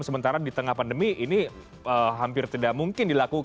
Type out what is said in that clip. sementara di tengah pandemi ini hampir tidak mungkin dilakukan